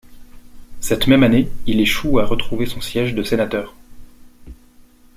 Cette même année, il échoue à retrouver son siège de sénateur.